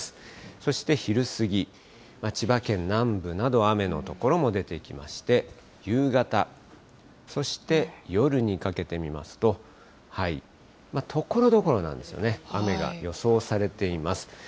そして昼過ぎ、千葉県南部など、雨の所も出てきまして、夕方、そして夜にかけて見ますと、ところどころなんですがね、雨が予想されています。